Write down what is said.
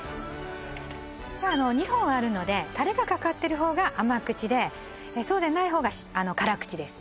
２本あるのでタレがかかってる方が甘口でそうでない方が辛口です